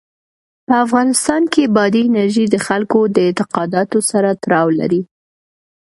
په افغانستان کې بادي انرژي د خلکو د اعتقاداتو سره تړاو لري.